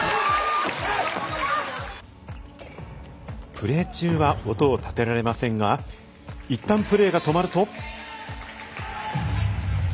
プレー中は音を立てられませんがいったんプレーが止まると。